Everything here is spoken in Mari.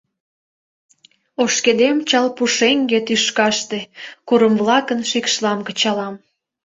Ошкедем чал пушеҥге тӱшкаште, Курым-влакын шикшлам кычалам.